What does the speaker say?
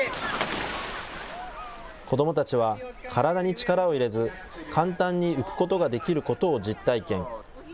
子どもたちは体に力を入れず、簡単に浮くことができることを実体験。